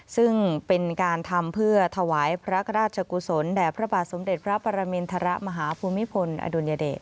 ซึ่งเป็นการทำเพื่อถวายพระราชกุศลแด่พระบาทสมเด็จพระปรมินทรมาฮภูมิพลอดุลยเดช